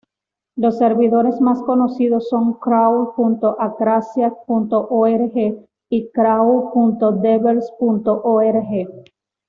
Los servidores más conocidos son crawl.akrasiac.org y crawl.develz.org.